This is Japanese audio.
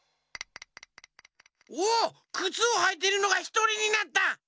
おっくつをはいてるのがひとりになった！